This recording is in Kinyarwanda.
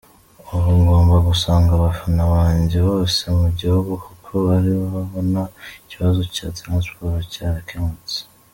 Ubu ngomba gusanga abafana banjye bose mu gihugu kuko urabibona ikibazo cya Transport cyarakemutse.